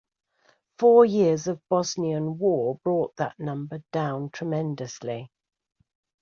Four years of Bosnian War brought that number down tremendously.